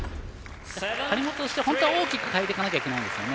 張本としては本当は大きく変えていかなきゃいけないんですよね。